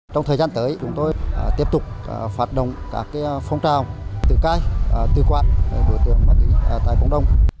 trong thời gian tới chúng tôi tiếp tục phát động các phong trào tự cai tự quản đối tượng ma túy tại cộng đồng